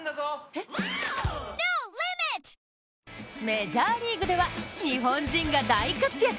メジャーリーグでは日本人が大活躍。